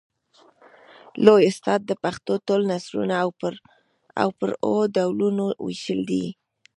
لوى استاد د پښتو ټول نثرونه پر اوو ډولونو وېشلي دي.